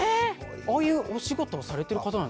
ああいうお仕事をされてる方なんですかね？